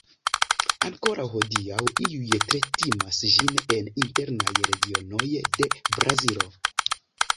Ankoraŭ hodiaŭ, iuj tre timas ĝin en internaj regionoj de Brazilo.